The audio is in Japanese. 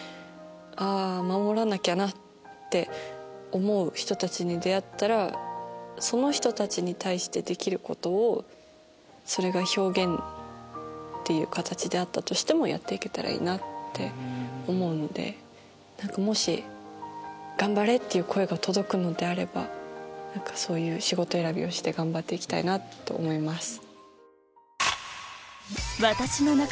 あ守らなきゃな！って思う人たちに出会ったらその人たちに対してできることをそれが表現という形であったとしてもやって行けたらいいなって思うのでもし「頑張れ」っていう声が届くのであればそういう仕事選びをして頑張って行きたいなと思います。